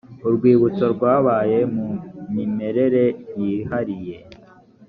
urwibutso rwabaye mu mimerere yihariye